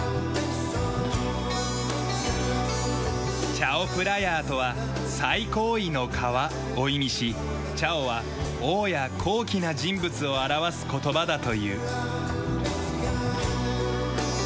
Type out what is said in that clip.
チャオプラヤーとは「最高位の川」を意味しチャオは王や高貴な人物を表す言葉だという。